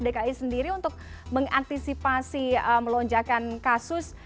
kesiapan pemprov dki sendiri untuk mengantisipasi melonjakan kasus